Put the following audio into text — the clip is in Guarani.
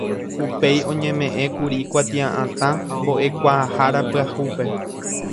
Upéi oñemeʼẽkuri kuatiaʼatã Mboʼekuaahára pyahúpe.